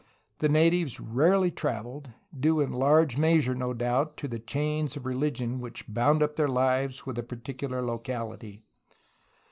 The natives rarely traveled, due in large measure, no doubt, to the chains of religion which bound up their lives with a particu lar locality.